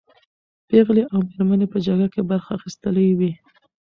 پېغلې او مېرمنې په جګړه کې برخه اخیستلې وې.